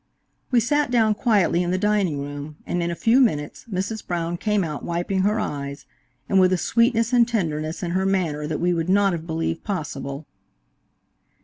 We sat down quietly in the dining room, and in a few minutes, Mrs. Brown came out wiping her eyes, and with a sweetness and tenderness in her manner that we would not have believed possible.